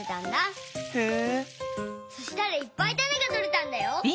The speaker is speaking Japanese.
そしたらいっぱいタネがとれたんだよ。